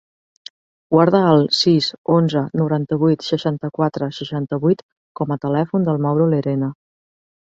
Guarda el sis, onze, noranta-vuit, seixanta-quatre, seixanta-vuit com a telèfon del Mauro Lerena.